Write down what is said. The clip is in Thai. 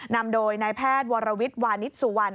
นำโดยนายแพทย์วรวิทย์วานิสสุวรรณ